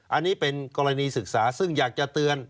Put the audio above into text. อันนี้เป็นกรณีศึกษาซึ่งอยากจะเตือน